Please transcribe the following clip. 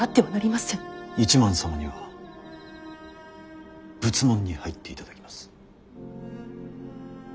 一幡様には仏門に入っていただきます。